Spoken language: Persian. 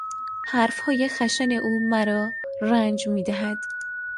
حرفهای خشن او مرا رنج میدهد.